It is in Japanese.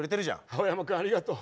青山君ありがとう。